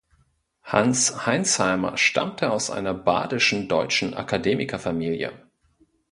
Hans Heinsheimer stammte aus einer badischen deutschen Akademikerfamilie.